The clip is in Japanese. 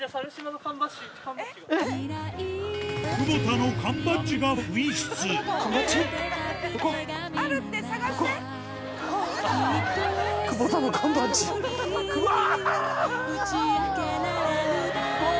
久保田の缶バッジうわぁ！